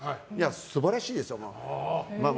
素晴らしいですよ。